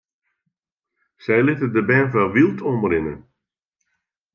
Sy litte de bern foar wyld omrinne.